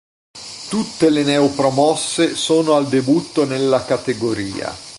Tutte le neopromosse sono al debutto nella categoria.